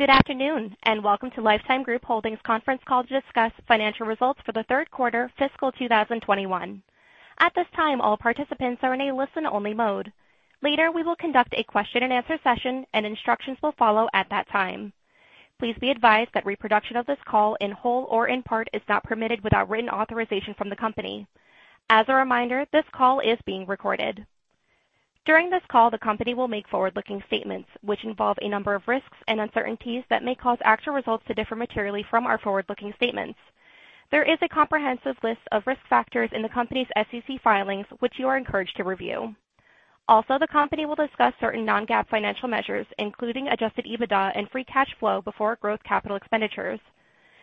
Good afternoon, and Welcome to Life Time Group Holdings Conference Call to discuss Financial Results for the Third Quarter Fiscal 2021. At this time, all participants are in a listen-only mode. Later, we will conduct a question-and-answer session, and instructions will follow at that time. Please be advised that reproduction of this call in whole or in part is not permitted without written authorization from the company. As a reminder, this call is being recorded. During this call, the company will make forward-looking statements, which involve a number of risks and uncertainties that may cause actual results to differ materially from our forward-looking statements. There is a comprehensive list of risk factors in the company's SEC filings, which you are encouraged to review. Also, the company will discuss certain non-GAAP financial measures, including Adjusted EBITDA and free cash flow before growth capital expenditures.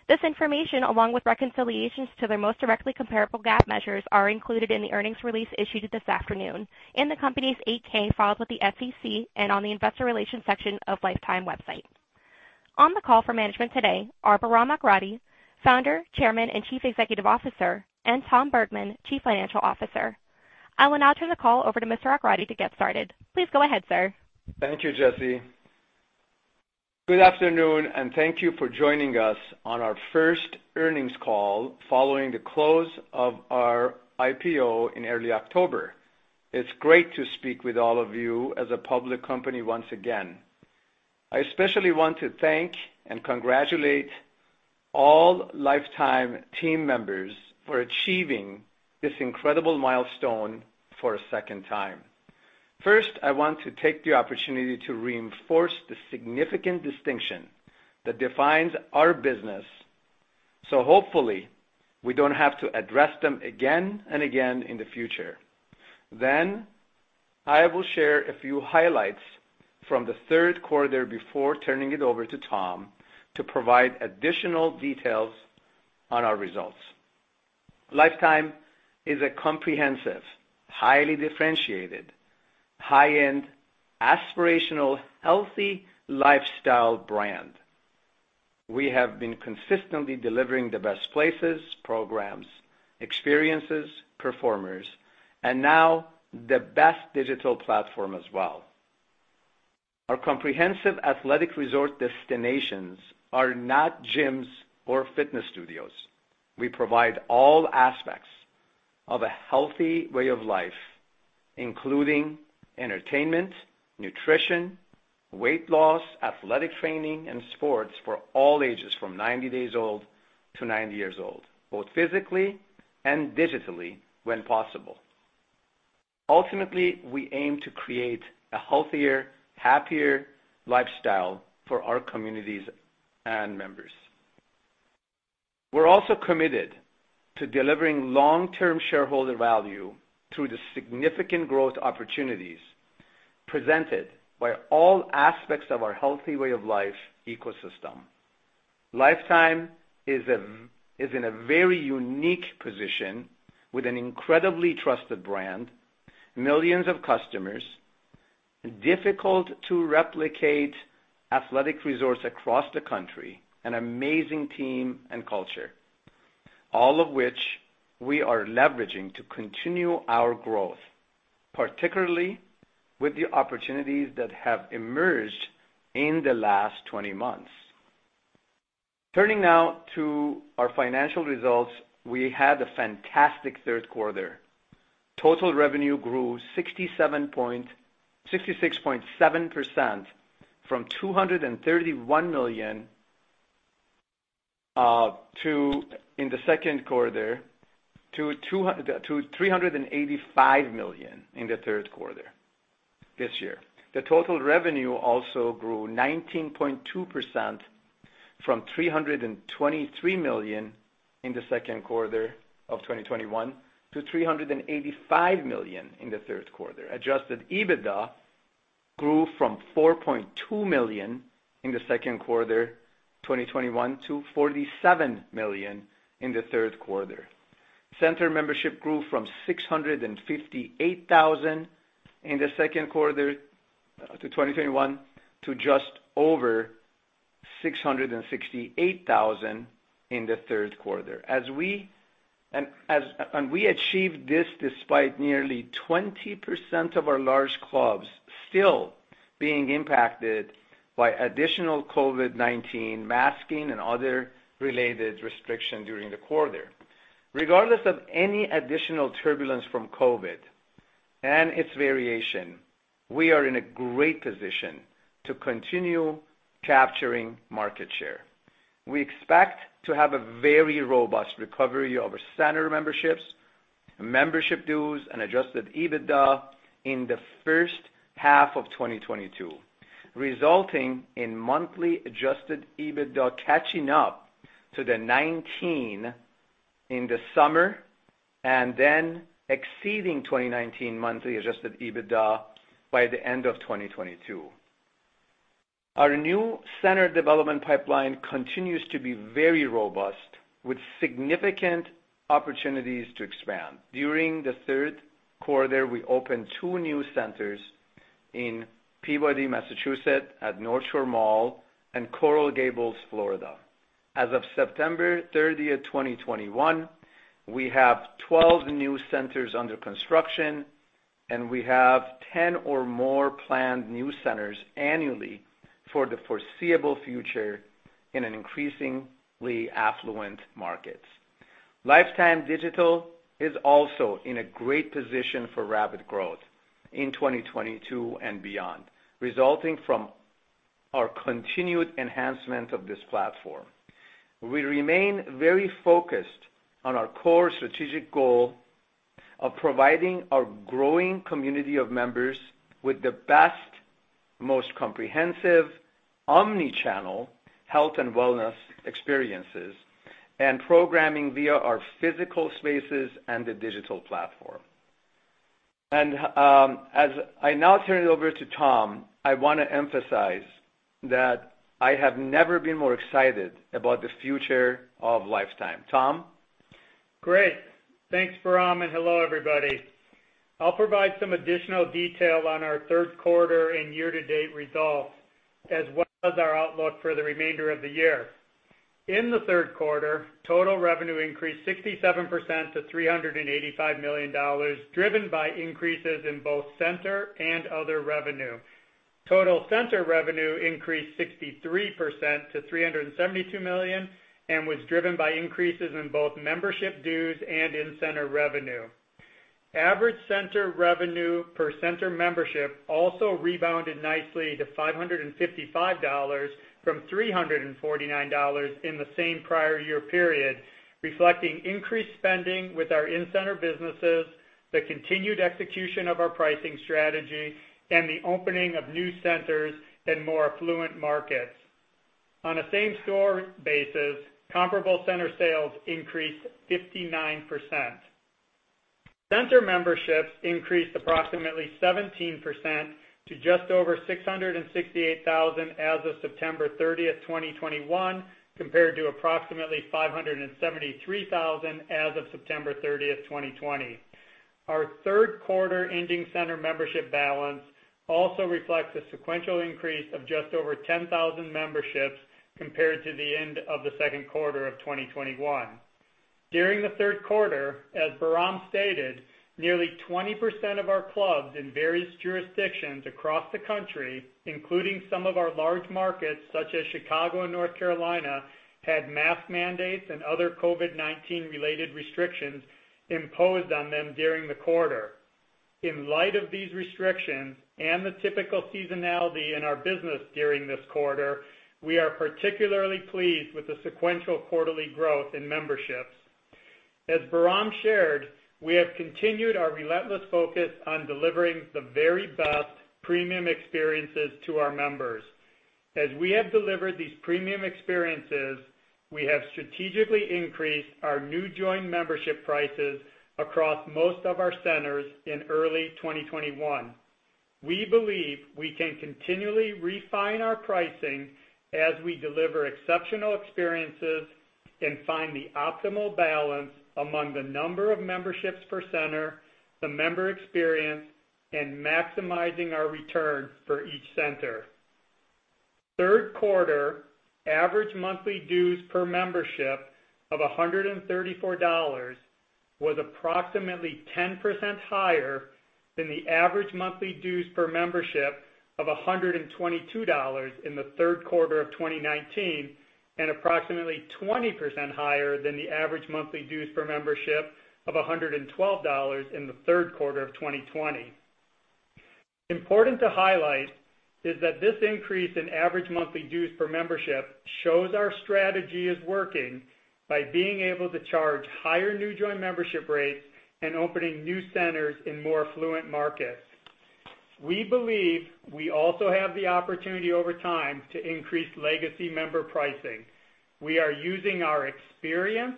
This information, along with reconciliations to their most directly comparable GAAP measures, are included in the earnings release issued this afternoon in the company's 8-K filed with the SEC and on the investor relations section of Life Time's website. On the call for management today are Bahram Akradi, Founder, Chairman, and Chief Executive Officer, and Tom Bergmann, Chief Financial Officer. I will now turn the call over to Mr. Akradi to get started. Please go ahead, sir. Thank you, Jesse. Good afternoon, and thank you for joining us on our first earnings call following the close of our IPO in early October. It's great to speak with all of you as a public company once again. I especially want to thank and congratulate all Life Time team members for achieving this incredible milestone for a second time. First, I want to take the opportunity to reinforce the significant distinction that defines our business, so hopefully we don't have to address them again and again in the future. I will share a few highlights from the third quarter before turning it over to Tom to provide additional details on our results. Life Time is a comprehensive, highly differentiated, high-end, aspirational, healthy lifestyle brand. We have been consistently delivering the best places, programs, experiences, performers, and now the best digital platform as well. Our comprehensive athletic resort destinations are not gyms or fitness studios. We provide all aspects of a healthy way of life, including entertainment, nutrition, weight loss, athletic training, and sports for all ages, from 90 days old to 90 years old, both physically and digitally when possible. Ultimately, we aim to create a healthier, happier lifestyle for our communities and members. We're also committed to delivering long-term shareholder value through the significant growth opportunities presented by all aspects of our healthy way of life ecosystem. Life Time is in a very unique position with an incredibly trusted brand, millions of customers, difficult to replicate athletic resorts across the country, an amazing team and culture, all of which we are leveraging to continue our growth, particularly with the opportunities that have emerged in the last 20 months. Turning now to our financial results, we had a fantastic third quarter. Total revenue grew 66.7% from $231 million in the second quarter to $385 million in the third quarter this year. Total revenue also grew 19.2% from $323 million in the second quarter of 2021 to $385 million in the third quarter. Adjusted EBITDA grew from $4.2 million in the second quarter 2021 to $47 million in the third quarter. Center membership grew from 658,000 in the second quarter of 2021 to just over 668,000 in the third quarter. We achieved this despite nearly 20% of our large clubs still being impacted by additional COVID-19 masking and other related restrictions during the quarter. Regardless of any additional turbulence from COVID and its variants, we are in a great position to continue capturing market share. We expect to have a very robust recovery of our center memberships, membership dues, and Adjusted EBITDA in the first half of 2022, resulting in monthly Adjusted EBITDA catching up to 2019 in the summer and then exceeding 2019 monthly Adjusted EBITDA by the end of 2022. Our new center development pipeline continues to be very robust, with significant opportunities to expand. During the third quarter, we opened two new centers in Peabody, Massachusetts, at Northshore Mall and Coral Gables, Florida. As of September 30th, 2021, we have 12 new centers under construction. We have 10 or more planned new centers annually for the foreseeable future in an increasingly affluent markets. Life Time Digital is also in a great position for rapid growth in 2022 and beyond, resulting from our continued enhancement of this platform. We remain very focused on our core strategic goal of providing our growing community of members with the best, most comprehensive omni-channel health and wellness experiences and programming via our physical spaces and the digital platform. As I now turn it over to Tom, I want to emphasize that I have never been more excited about the future of Life Time. Tom? Great. Thanks, Bahram, and hello, everybody. I'll provide some additional detail on our third quarter and year-to-date results, as well as our outlook for the remainder of the year. In the third quarter, total revenue increased 67% to $385 million, driven by increases in both center and other revenue. Total center revenue increased 63% to $372 million, and was driven by increases in both membership dues and in-center revenue. Average center revenue per center membership also rebounded nicely to $555 from $349 in the same prior year period, reflecting increased spending with our in-center businesses, the continued execution of our pricing strategy, and the opening of new centers in more affluent markets. On a same-store basis, comparable center sales increased 59%. Center memberships increased approximately 17% to just over 668,000 as of September 30, 2021, compared to approximately 573,000 as of September 30, 2020. Our third quarter ending center membership balance also reflects a sequential increase of just over 10,000 memberships compared to the end of the second quarter of 2021. During the third quarter, as Bahram stated, nearly 20% of our clubs in various jurisdictions across the country, including some of our large markets, such as Chicago and North Carolina, had mask mandates and other COVID-19 related restrictions imposed on them during the quarter. In light of these restrictions and the typical seasonality in our business during this quarter, we are particularly pleased with the sequential quarterly growth in memberships. As Bahram shared, we have continued our relentless focus on delivering the very best premium experiences to our members. As we have delivered these premium experiences, we have strategically increased our new join membership prices across most of our centers in early 2021. We believe we can continually refine our pricing as we deliver exceptional experiences and find the optimal balance among the number of memberships per center, the member experience, and maximizing our return for each center. Third quarter average monthly dues per membership of $134 was approximately 10% higher than the average monthly dues per membership of $122 in the third quarter of 2019, and approximately 20% higher than the average monthly dues per membership of $112 in the third quarter of 2020. Important to highlight is that this increase in average monthly dues per membership shows our strategy is working by being able to charge higher new join membership rates and opening new centers in more affluent markets. We believe we also have the opportunity over time to increase legacy member pricing. We are using our experience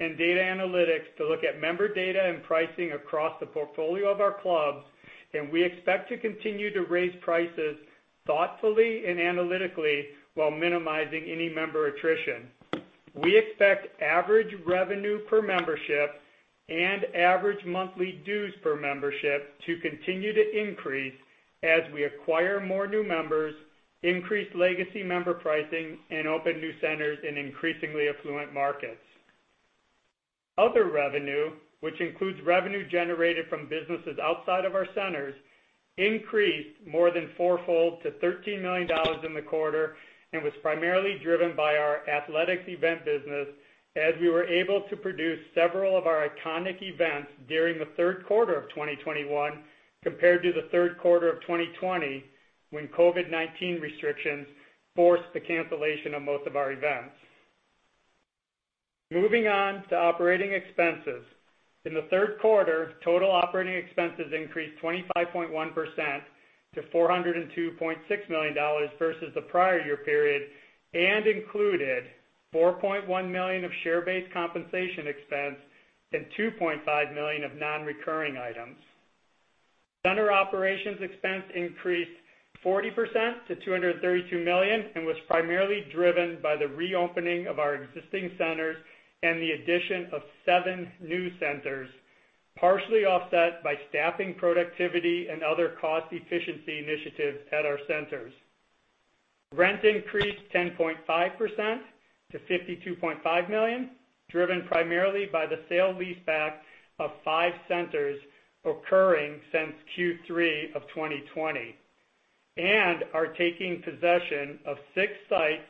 and data analytics to look at member data and pricing across the portfolio of our clubs, and we expect to continue to raise prices thoughtfully and analytically while minimizing any member attrition. We expect average revenue per membership and average monthly dues per membership to continue to increase as we acquire more new members, increase legacy member pricing, and open new centers in increasingly affluent markets. Other revenue, which includes revenue generated from businesses outside of our centers, increased more than 4-fold to $13 million in the quarter and was primarily driven by our athletics event business as we were able to produce several of our iconic events during the third quarter of 2021 compared to the third quarter of 2020, when COVID-19 restrictions forced the cancellation of most of our events. Moving on to operating expenses. In the third quarter, total operating expenses increased 25.1% to $402.6 million versus the prior year period and included $4.1 million of share-based compensation expense and $2.5 million of non-recurring items. Center operations expense increased 40% to $232 million and was primarily driven by the reopening of our existing centers and the addition of 7 new centers, partially offset by staffing productivity and other cost efficiency initiatives at our centers. Rent increased 10.5% to $52.5 million, driven primarily by the sale-leaseback of 5 centers occurring since Q3 of 2020, and are taking possession of 6 sites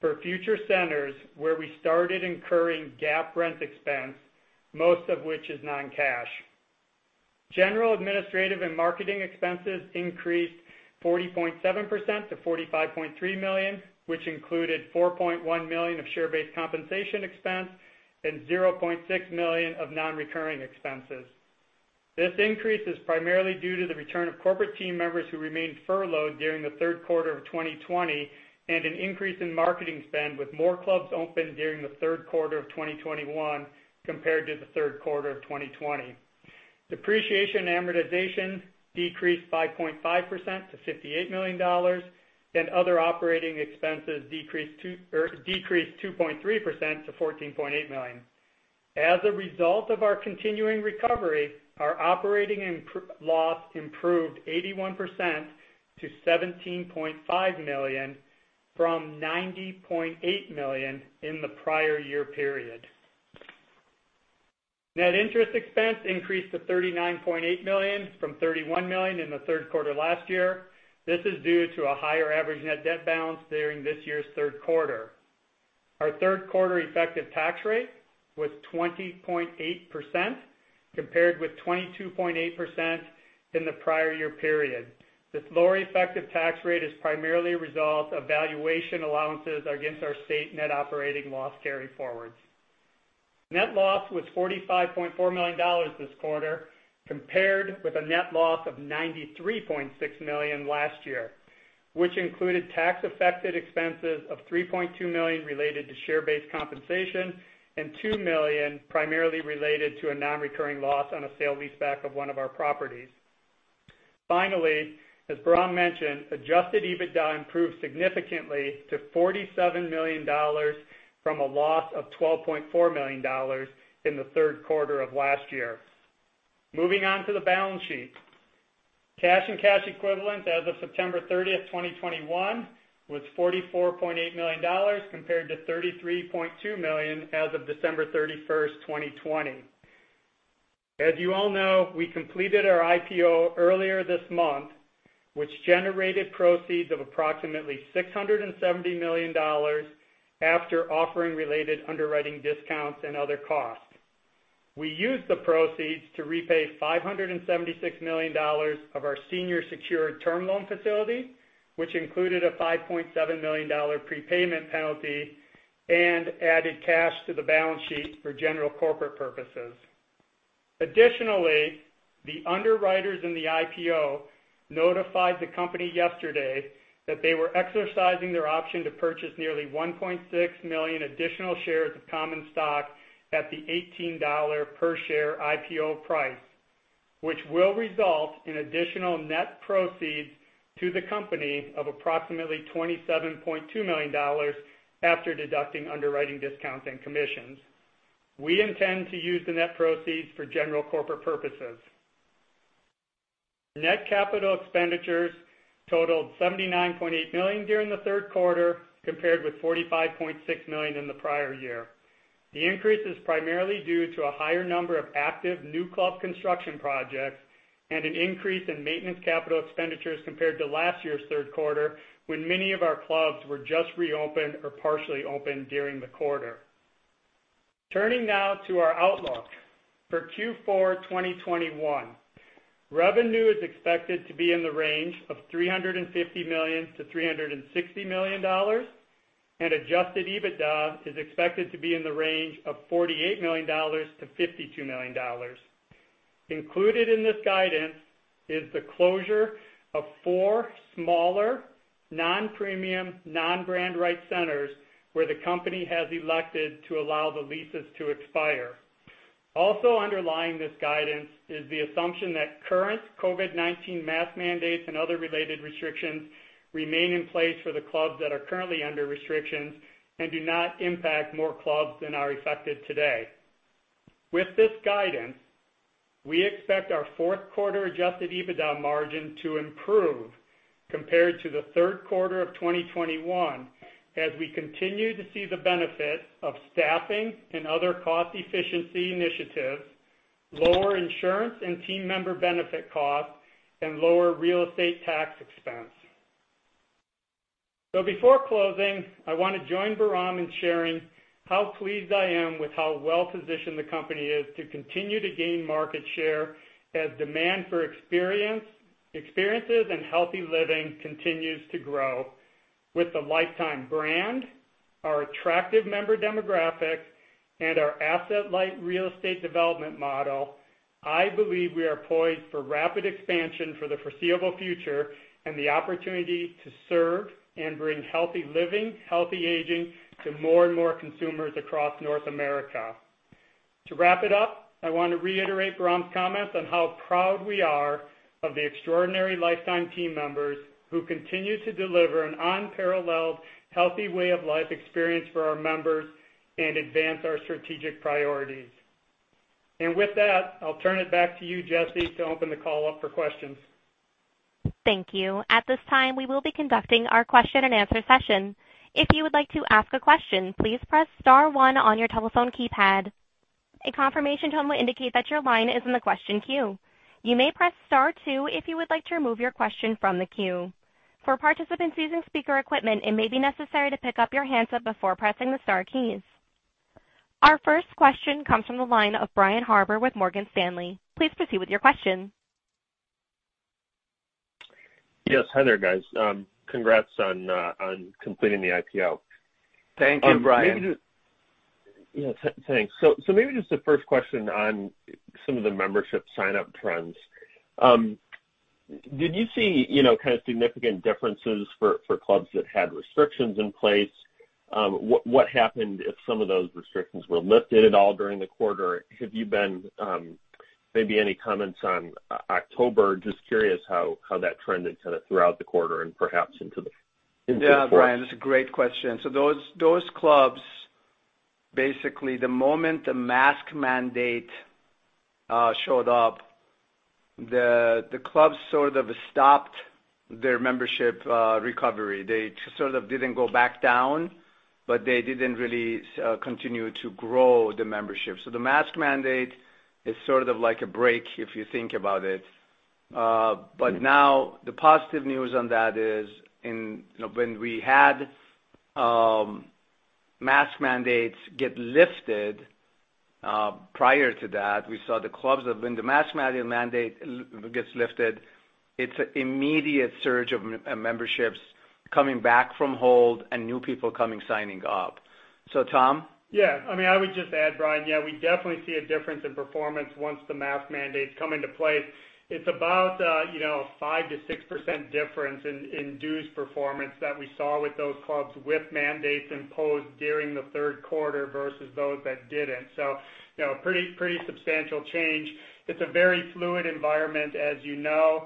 for future centers where we started incurring GAAP rent expense, most of which is non-cash. General, administrative and marketing expenses increased 40.7% to $45.3 million, which included $4.1 million of share-based compensation expense and $0.6 million of non-recurring expenses. This increase is primarily due to the return of corporate team members who remained furloughed during the third quarter of 2020, and an increase in marketing spend with more clubs open during the third quarter of 2021 compared to the third quarter of 2020. Depreciation and amortization decreased by 0.5% to $58 million, and other operating expenses decreased 2.3% to $14.8 million. As a result of our continuing recovery, our operating loss improved 81% to $17.5 million, from $90.8 million in the prior year period. Net interest expense increased to $39.8 million from $31 million in the third quarter last year. This is due to a higher average net debt balance during this year's third quarter. Our third quarter effective tax rate was 20.8%, compared with 22.8% in the prior year period. This lower effective tax rate is primarily a result of valuation allowances against our state net operating loss carryforwards. Net loss was $45.4 million this quarter, compared with a net loss of $93.6 million last year, which included tax-affected expenses of $3.2 million related to share-based compensation and $2 million primarily related to a non-recurring loss on a sale-leaseback of one of our properties. Finally, as Bahram mentioned, Adjusted EBITDA improved significantly to $47 million from a loss of $12.4 million in the third quarter of last year. Moving on to the balance sheet. Cash and cash equivalents as of September 30th, 2021, was $44.8 million compared to $33.2 million as of December 31st, 2020. As you all know, we completed our IPO earlier this month, which generated proceeds of approximately $670 million after offering related underwriting discounts and other costs. We used the proceeds to repay $576 million of our senior secured term loan facility, which included a $5.7 million prepayment penalty and added cash to the balance sheet for general corporate purposes. Additionally, the underwriters in the IPO notified the company yesterday that they were exercising their option to purchase nearly 1.6 million additional shares of common stock at the $18 per share IPO price, which will result in additional net proceeds to the company of approximately $27.2 million after deducting underwriting discounts and commissions. We intend to use the net proceeds for general corporate purposes. Net capital expenditures totaled $79.8 million during the third quarter, compared with $45.6 million in the prior year. The increase is primarily due to a higher number of active new club construction projects and an increase in maintenance capital expenditures compared to last year's third quarter, when many of our clubs were just reopened or partially opened during the quarter. Turning now to our outlook. For Q4 2021, revenue is expected to be in the range of $350 million-$360 million, and Adjusted EBITDA is expected to be in the range of $48 million-$52 million. Included in this guidance is the closure of 4 smaller, non-premium, non-brand-right centers where the company has elected to allow the leases to expire. Also underlying this guidance is the assumption that current COVID-19 mask mandates and other related restrictions remain in place for the clubs that are currently under restrictions and do not impact more clubs than are affected today. With this guidance, we expect our fourth quarter Adjusted EBITDA margin to improve compared to the third quarter of 2021 as we continue to see the benefit of staffing and other cost efficiency initiatives, lower insurance and team member benefit costs, and lower real estate tax expense. Before closing, I want to join Bahram in sharing how pleased I am with how well-positioned the company is to continue to gain market share as demand for experiences and healthy living continues to grow. With the Life Time brand, our attractive member demographic, and our asset-light real estate development model, I believe we are poised for rapid expansion for the foreseeable future and the opportunity to serve and bring healthy living, healthy aging to more and more consumers across North America. To wrap it up, I want to reiterate Bahram's comments on how proud we are of the extraordinary Life Time team members who continue to deliver an unparalleled healthy way of life experience for our members and advance our strategic priorities. With that, I'll turn it back to you, Jesse, to open the call up for questions. Thank you. At this time, we will be conducting our question and answer session. If you would like to ask a question, please press star one on your telephone keypad. A confirmation tone will indicate that your line is in the question queue. You may press star two if you would like to remove your question from the queue. For participants using speaker equipment, it may be necessary to pick up your handset before pressing the star keys. Our first question comes from the line of Brian Harbour with Morgan Stanley. Please proceed with your question. Yes. Hi there, guys. Congrats on completing the IPO. Thank you, Brian. Thanks. Maybe just the first question on some of the membership sign-up trends. Did you see, you know, kind of significant differences for clubs that had restrictions in place? What happened if some of those restrictions were lifted at all during the quarter? Maybe any comments on October. Just curious how that trended kinda throughout the quarter and perhaps into the fourth. Yeah, Brian, that's a great question. Those clubs, basically, the moment the mask mandate showed up, the clubs sort of stopped their membership recovery. They sort of didn't go back down, but they didn't really continue to grow the membership. The mask mandate is sort of like a break if you think about it. Now the positive news on that is in, you know, when we had mask mandates get lifted, prior to that, we saw the mask mandate gets lifted, it's an immediate surge of memberships coming back from hold and new people coming signing up. Tom? Yeah. I mean, I would just add, Brian, yeah, we definitely see a difference in performance once the mask mandates come into play. It's about, you know, 5%-6% difference in dues performance that we saw with those clubs with mandates imposed during the third quarter versus those that didn't. You know, pretty substantial change. It's a very fluid environment, as you know.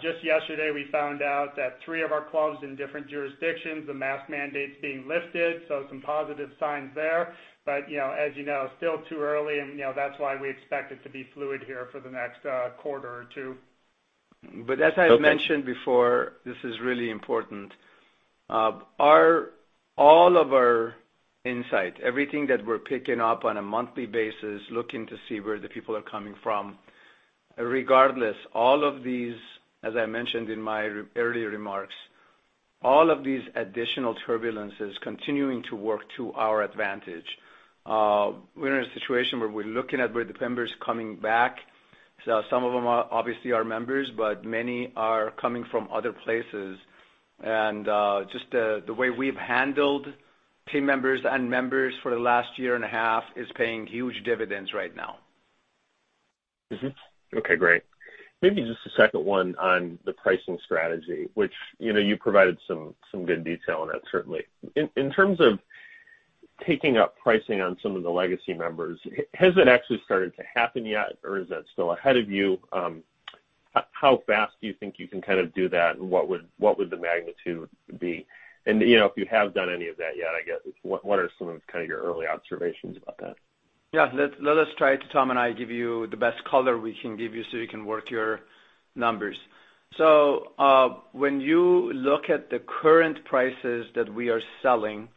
Just yesterday, we found out that 3 of our clubs in different jurisdictions, the mask mandates being lifted, so some positive signs there. You know, as you know, still too early and, you know, that's why we expect it to be fluid here for the next quarter or two. Okay. As I mentioned before, this is really important. All of our insight, everything that we're picking up on a monthly basis, looking to see where the people are coming from, regardless, all of these, as I mentioned in my earlier remarks, all of these additional turbulence is continuing to work to our advantage. We're in a situation where we're looking at where the members are coming back. Some of them are obviously members, but many are coming from other places. Just the way we've handled team members and members for the last year and a half is paying huge dividends right now. Okay, great. Maybe just a second one on the pricing strategy, which, you know, you provided some good detail on that certainly. In terms of taking up pricing on some of the legacy members, has it actually started to happen yet or is that still ahead of you? How fast do you think you can kind of do that, and what would the magnitude be? You know, if you have done any of that yet, I guess, what are some of kinda your early observations about that? Let us try to, Tom and I, give you the best color we can give you so you can work your numbers. When you look at the current prices that we are selling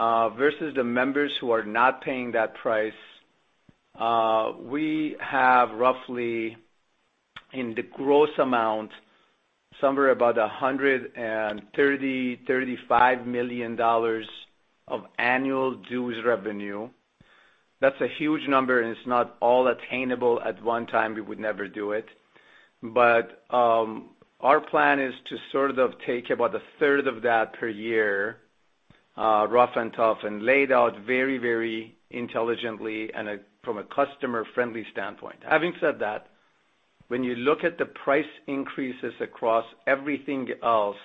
versus the members who are not paying that price, we have roughly, in the gross amount, somewhere about $135 million of annual dues revenue. That's a huge number, and it's not all attainable at one time. We would never do it. Our plan is to sort of take about a third of that per year, rough and tough, and laid out very, very intelligently and from a customer-friendly standpoint. Having said that, when you look at the price increases across everything else,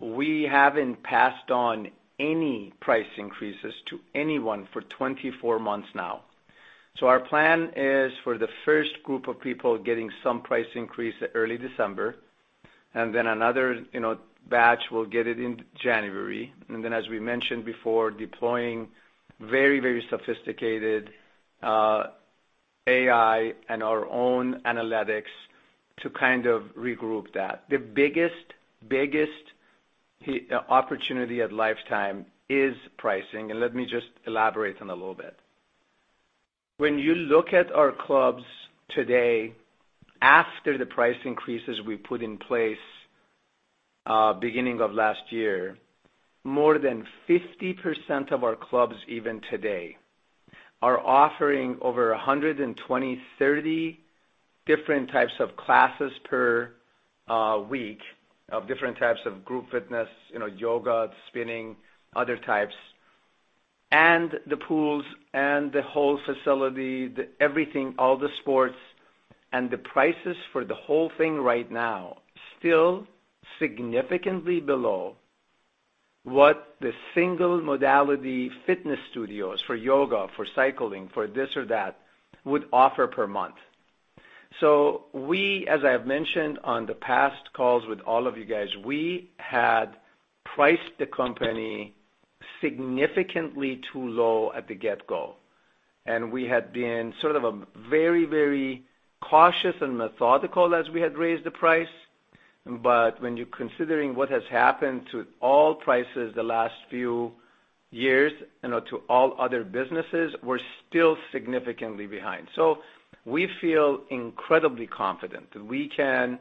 we haven't passed on any price increases to anyone for 24 months now. Our plan is for the first group of people getting some price increase early December, and then another, you know, batch will get it in January. As we mentioned before, deploying very, very sophisticated AI and our own analytics to kind of regroup that. The biggest opportunity at Life Time is pricing, and let me just elaborate on a little bit. When you look at our clubs today, after the price increases we put in place beginning of last year, more than 50% of our clubs even today are offering over 120-130 different types of classes per week of different types of group fitness, you know, yoga, spinning, other types, and the pools and the whole facility, the everything, all the sports, and the prices for the whole thing right now still significantly below what the single modality fitness studios for yoga, for cycling, for this or that would offer per month. We, as I have mentioned on the past calls with all of you guys, we had priced the company significantly too low at the get-go, and we had been sort of a very, very cautious and methodical as we had raised the price. When you're considering what has happened to all prices the last few years and to all other businesses, we're still significantly behind. We feel incredibly confident that we can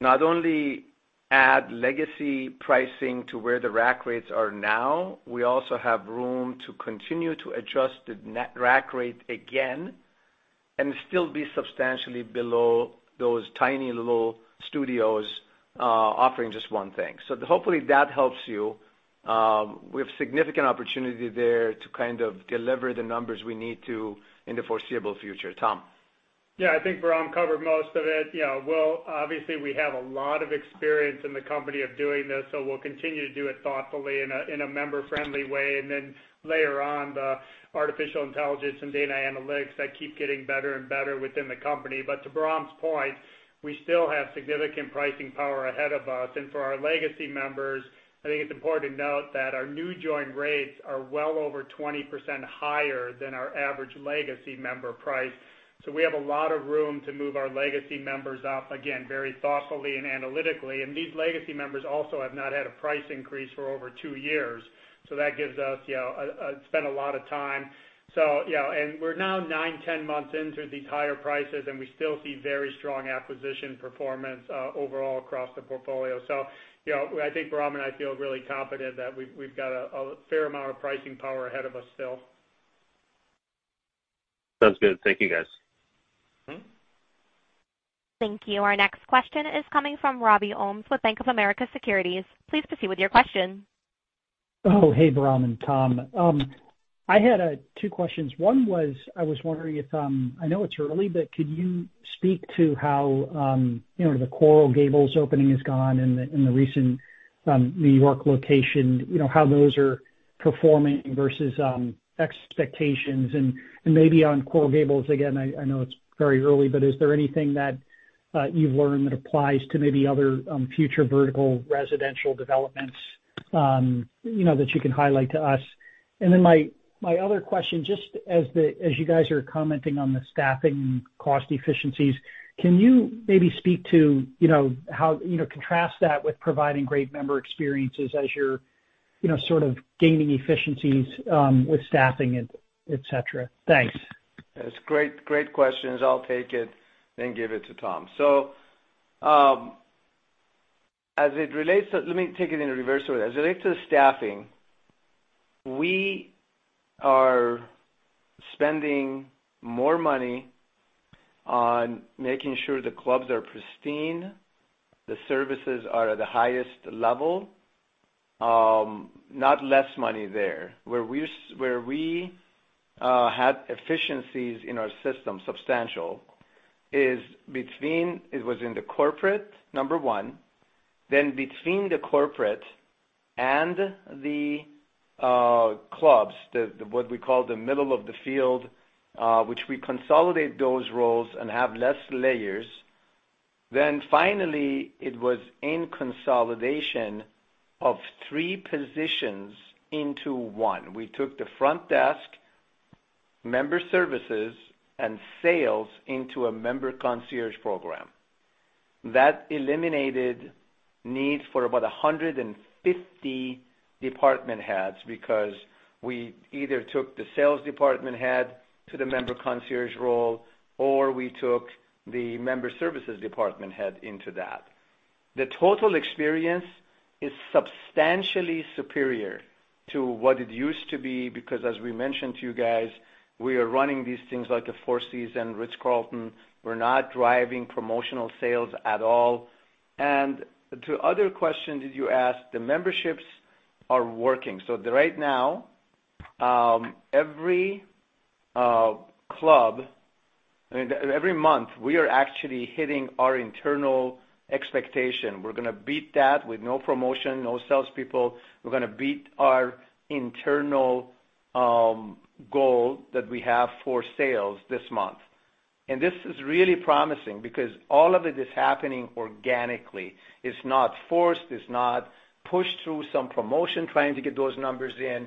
not only add legacy pricing to where the rack rates are now, we also have room to continue to adjust the net rack rate again and still be substantially below those tiny little studios, offering just one thing. Hopefully that helps you. We have significant opportunity there to kind of deliver the numbers we need to in the foreseeable future. Tom? Yeah, I think Bahram covered most of it. Yeah, well, obviously, we have a lot of experience in the company of doing this, so we'll continue to do it thoughtfully in a member-friendly way, then later on, the artificial intelligence and data analytics that keep getting better and better within the company. To Bahram's point, we still have significant pricing power ahead of us. For our legacy members, I think it's important to note that our new join rates are well over 20% higher than our average legacy member price. We have a lot of room to move our legacy members up, again, very thoughtfully and analytically. These legacy members also have not had a price increase for over two years. That gives us, you know, spend a lot of time. You know, we're now 9-10 months into these higher prices, and we still see very strong acquisition performance overall across the portfolio. You know, I think Bahram and I feel really confident that we've got a fair amount of pricing power ahead of us still. Sounds good. Thank you, guys. Mm-hmm. Thank you. Our next question is coming from Robbie Ohmes with Bank of America Securities. Please proceed with your question. Oh, hey, Bahram and Tom. I had two questions. One was, I was wondering if, I know it's early, but could you speak to how, you know, the Coral Gables opening has gone and the recent New York location, you know, how those are performing versus expectations? Maybe on Coral Gables, again, I know it's very early, but is there anything that you've learned that applies to maybe other future vertical residential developments, you know, that you can highlight to us? Then my other question, just as you guys are commenting on the staffing cost efficiencies, can you maybe speak to, you know, how, you know, contrast that with providing great member experiences as you're, you know, sort of gaining efficiencies with staffing et cetera? Thanks. That's great questions. I'll take it then give it to Tom. As it relates to. Let me take it in reverse order. As it relates to staffing, we are spending more money on making sure the clubs are pristine, the services are at the highest level, not less money there. Where we had efficiencies in our system, substantial, is between. It was in the corporate, number one, then between the corporate and the clubs, the what we call the middle of the field, which we consolidate those roles and have less layers. Then finally, it was in consolidation of three positions into one. We took the front desk, member services, and sales into a member concierge program. That eliminated need for about 150 department heads because we either took the sales department head to the member concierge role, or we took the member services department head into that. The total experience is substantially superior to what it used to be, because as we mentioned to you guys, we are running these things like a Four Seasons, Ritz-Carlton. We're not driving promotional sales at all. To other questions that you asked, the memberships are working. Right now, every club, I mean, every month, we are actually hitting our internal expectation. We're gonna beat that with no promotion, no salespeople. We're gonna beat our internal goal that we have for sales this month. This is really promising because all of it is happening organically. It's not forced. It's not pushed through some promotion trying to get those numbers in.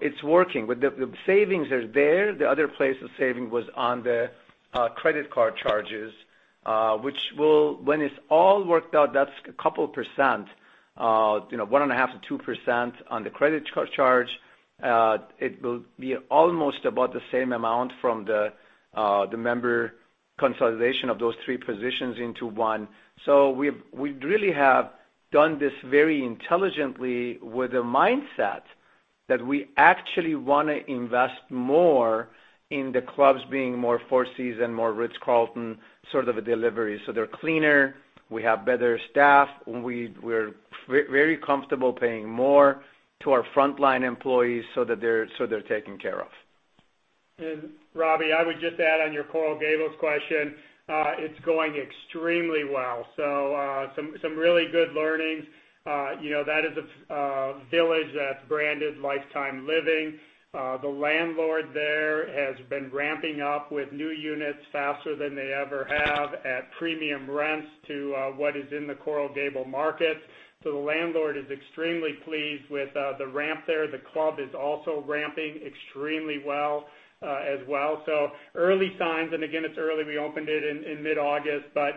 It's working. With the savings are there. The other place of saving was on the credit card charges, which when it's all worked out, that's a couple percent, you know, 1.5%-2% on the credit card charge. It will be almost about the same amount from the member consolidation of those three positions into one. We've really have done this very intelligently with a mindset that we actually wanna invest more in the clubs being more Four Seasons, more Ritz-Carlton, sort of a delivery. They're cleaner. We have better staff. We're very comfortable paying more to our frontline employees so that they're taken care of. Robbie, I would just add on your Coral Gables question, it's going extremely well. Some really good learnings. You know, that is a village that's branded Life Time Living. The landlord there has been ramping up with new units faster than they ever have at premium rents to what is in the Coral Gables market. The landlord is extremely pleased with the ramp there. The club is also ramping extremely well, as well. Early signs, and again, it's early, we opened it in mid-August, but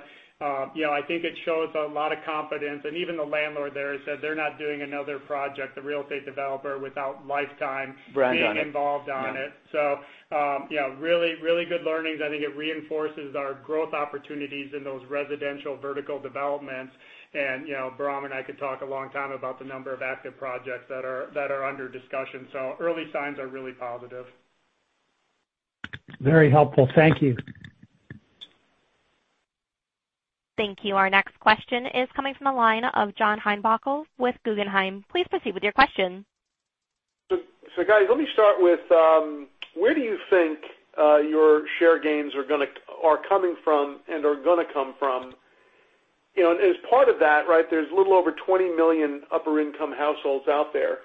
you know, I think it shows a lot of confidence. Even the landlord there has said they're not doing another project, the real estate developer, without Life Time- Brand on it. being involved on it. Yeah, really good learnings. I think it reinforces our growth opportunities in those residential vertical developments. You know, Bahram and I could talk a long time about the number of active projects that are under discussion. Early signs are really positive. Very helpful. Thank you. Thank you. Our next question is coming from the line of John Heinbockel with Guggenheim. Please proceed with your question. Guys, let me start with where do you think your share gains are coming from and are gonna come from? You know, and as part of that, right, there's a little over 20 million upper income households out there.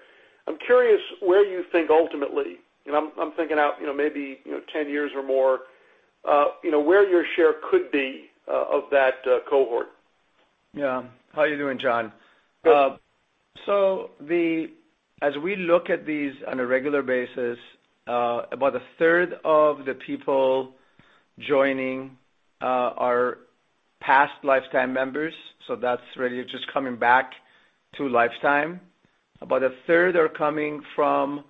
I'm curious where you think ultimately, and I'm thinking out, you know, maybe 10 years or more, you know, where your share could be of that cohort. Yeah. How are you doing, John? Great. As we look at these on a regular basis, about a third of the people joining are past Life Time members, so that's really just coming back to Life Time. About a third are coming from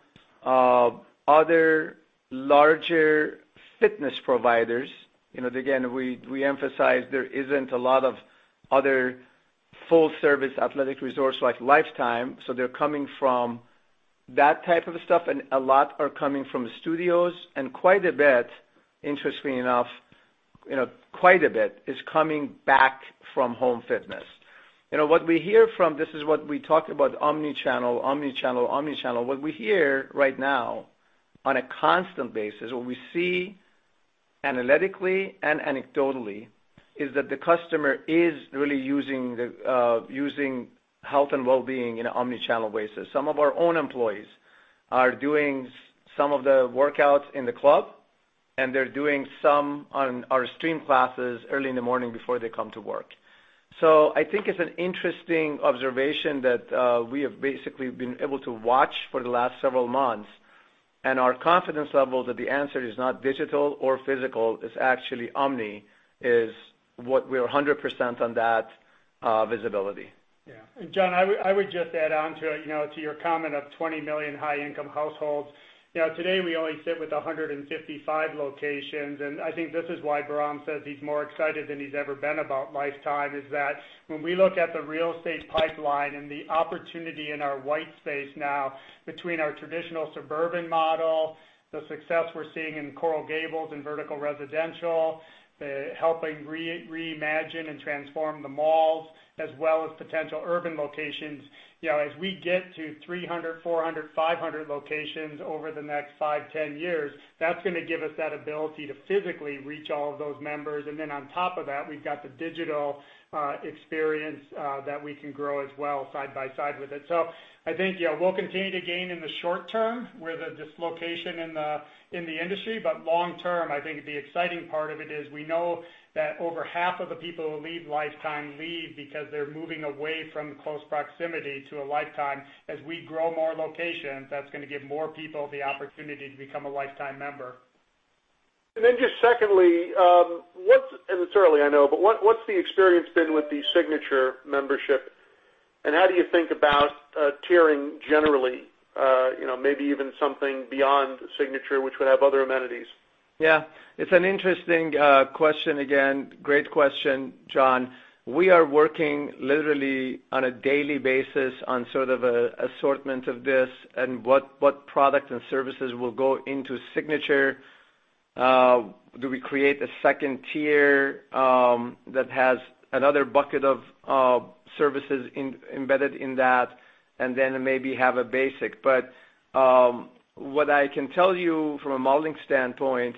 other larger fitness providers. You know, again, we emphasize there isn't a lot of other full service athletic resorts like Life Time, so they're coming from that type of stuff, and a lot are coming from studios, and quite a bit, interestingly enough, you know, quite a bit is coming back from home fitness. You know, what we hear from, this is what we talked about, omni-channel. What we hear right now on a constant basis, what we see analytically and anecdotally is that the customer is really using health and well-being in an omni-channel basis. Some of our own employees are doing some of the workouts in the club and they're doing some on our stream classes early in the morning before they come to work. I think it's an interesting observation that we have basically been able to watch for the last several months, and our confidence level that the answer is not digital or physical, it's actually omni, is what we're 100% on that visibility. Yeah. John, I would just add on to, you know, to your comment of 20 million high income households. You know, today we only sit with 155 locations, and I think this is why Bahram says he's more excited than he's ever been about Life Time, is that when we look at the real estate pipeline and the opportunity in our white space now between our traditional suburban model, the success we're seeing in Coral Gables and vertical residential, the helping reimagine and transform the malls, as well as potential urban locations. You know, as we get to 300, 400, 500 locations over the next 5, 10 years, that's gonna give us that ability to physically reach all of those members. On top of that, we've got the digital experience that we can grow as well side by side with it. I think, yeah, we'll continue to gain in the short term with the dislocation in the industry, but long term, I think the exciting part of it is we know that over half of the people who leave Life Time leave because they're moving away from close proximity to a Life Time. As we grow more locations, that's gonna give more people the opportunity to become a Life Time member. Just secondly, it's early, I know, but what's the experience been with the Signature membership, and how do you think about tiering generally, you know, maybe even something beyond Signature, which would have other amenities? Yeah. It's an interesting question again. Great question, John. We are working literally on a daily basis on sort of an assortment of this and what products and services will go into Signature. Do we create a second tier that has another bucket of services embedded in that and then maybe have a basic? What I can tell you from a modeling standpoint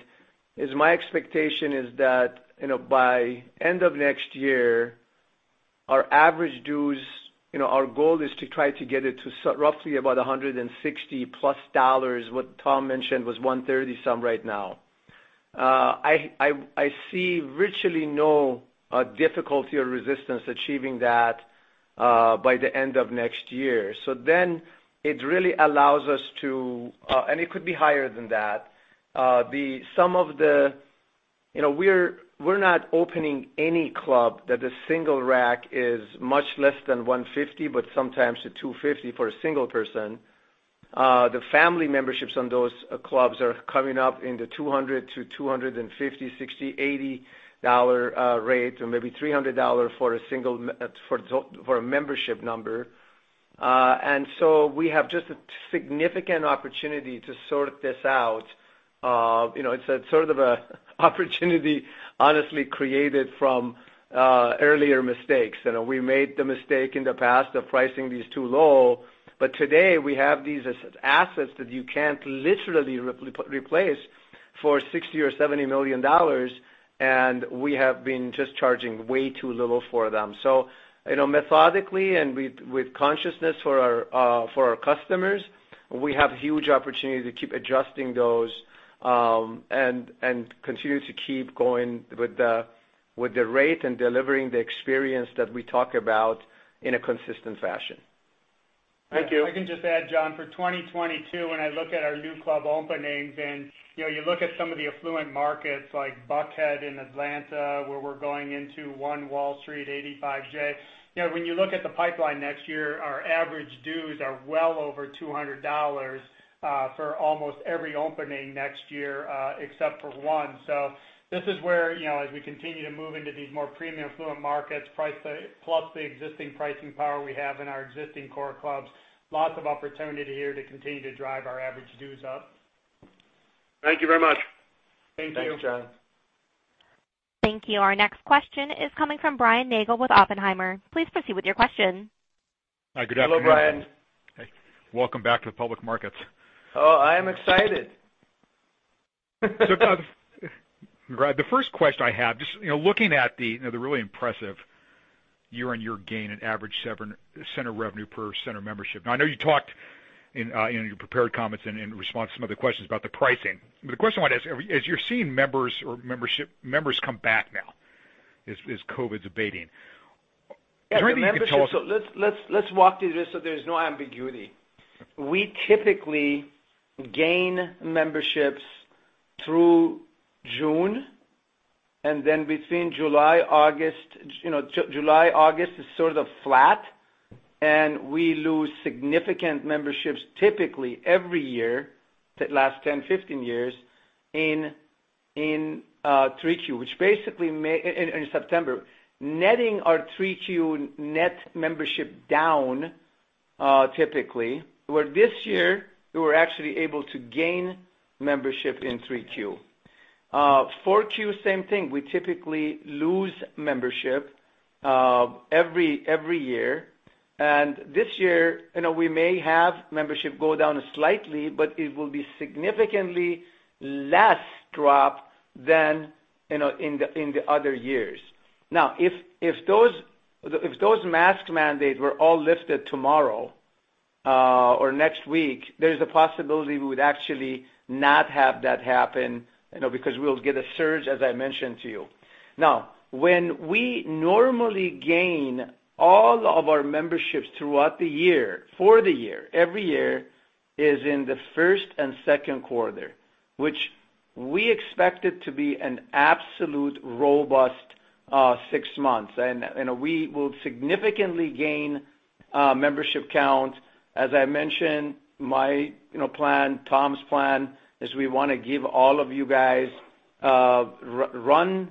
is my expectation is that, you know, by end of next year, our average dues, you know, our goal is to try to get it to roughly about $160+. What Tom mentioned was $130 some right now. I see virtually no difficulty or resistance achieving that by the end of next year. It really allows us to, and it could be higher than that. You know, we're not opening any club that the single rate is much less than $150, but sometimes to $250 for a single person. The family memberships on those clubs are coming up in the $200-$250, $260, $280 dollar rate or maybe $300 for a single membership. We have just a significant opportunity to sort this out. You know, it's a sort of opportunity honestly created from earlier mistakes. You know, we made the mistake in the past of pricing these too low, but today we have these assets that you can't literally replace for $60 million or $70 million, and we have been just charging way too little for them. You know, methodically and with consciousness for our customers, we have huge opportunity to keep adjusting those, and continue to keep going with the rate and delivering the experience that we talk about in a consistent fashion. Thank you. If I can just add, John, for 2022, when I look at our new club openings and, you know, you look at some of the affluent markets like Buckhead in Atlanta, where we're going into One Wall Street, 85 Jay. You know, when you look at the pipeline next year, our average dues are well over $200 for almost every opening next year, except for one. This is where, you know, as we continue to move into these more premium affluent markets, pricing plus the existing pricing power we have in our existing core clubs, lots of opportunity here to continue to drive our average dues up. Thank you very much. Thank you. Thanks, John. Thank you. Our next question is coming from Brian Nagel with Oppenheimer. Please proceed with your question. Hi, good afternoon. Hello, Brian. Hey, welcome back to the public markets. Oh, I am excited. Bahram, the first question I have, just, you know, looking at the really impressive year-on-year gain in average revenue per center membership. Now, I know you talked in your prepared comments and in response to some of the questions about the pricing. The question I want to ask, as you're seeing members come back now, as COVID is abating, is there anything you can tell us? The membership. Let's walk through this so there's no ambiguity. We typically gain memberships through June, and then between July, August, July, August is sort of flat, and we lose significant memberships typically every year, the last 10, 15 years in Q3, which basically in September. Netting our Q3 net membership down, typically, but this year, we were actually able to gain membership in Q3. Q4, same thing. We typically lose membership every year. This year, we may have membership go down slightly, but it will be significantly less drop than in the other years. Now, if those mask mandates were all lifted tomorrow or next week, there's a possibility we would actually not have that happen, you know, because we'll get a surge, as I mentioned to you. Now, when we normally gain all of our memberships throughout the year for the year every year is in the first and second quarter, which we expect it to be an absolute robust six months. You know, we will significantly gain membership count. As I mentioned, my, you know, plan, Tom's plan is we wanna give all of you guys run